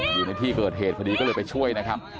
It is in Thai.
อยู่ในที่เกิดเหตุพอดีก็เลยไปช่วยนะครับ